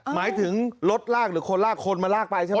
หมายถึงรถลากหรือคนลากคนมาลากไปใช่ไหม